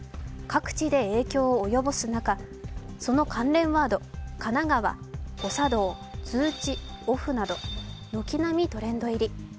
各地で影響を及ぼす中、その関連ワード、神奈川、誤作動、通知オフなど軒並みトレンド入り。